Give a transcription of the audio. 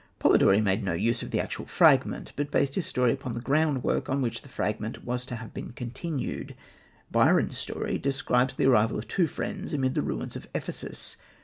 Polidori made no use of the actual fragment, but based his story upon the groundwork on which the fragment was to have been continued. Byron's story describes the arrival of two friends amid the ruins of Ephesus.